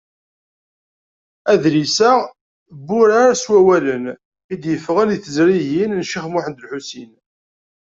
Adlis-a n wurar s wawalen, i d-yeffɣen di teẓrigin n Ccix Muḥend Ulḥusin.